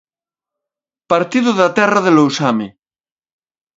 Partido da Terra de Lousame.